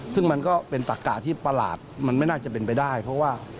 ซึ่งมันก็เป็นตักกะที่ประหลาดมันไม่น่าจะเป็นไปได้เพราะว่า